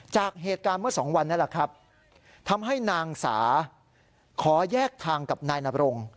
จากเหตุการณ์เมื่อสองวันนั้นแหละครับทำให้นางสาขอแยกทางกับนายนบรง